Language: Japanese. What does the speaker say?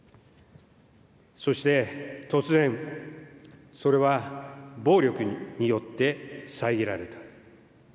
そして突然、それは暴力によってさえぎられた。